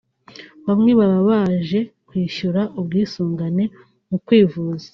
bamwe baba baje kwishyura ubwisungane mu kwivuza